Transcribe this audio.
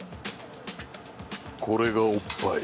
これがおっぱい